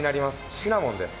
シナモンです。